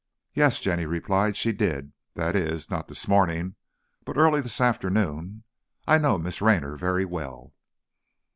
"Yes," Jenny replied, "she did. That is, not this morning, but early this afternoon. I know Miss Raynor very well."